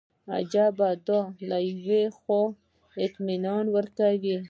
عجیبه ده له یوې خوا اطمینان راکوي.